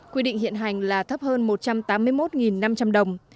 quy định hiện hành là thấp hơn một trăm tám mươi một